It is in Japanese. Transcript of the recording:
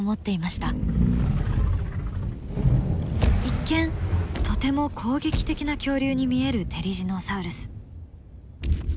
一見とても攻撃的な恐竜に見えるテリジノサウルス。